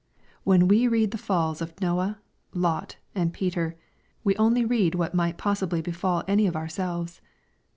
When we read the falls of Noah, Lot, and Peter, we only road what might possibly befall any of ourselves.